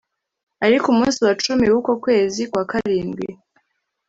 Ariko umunsi wa cumi w uko kwezi kwa karindwi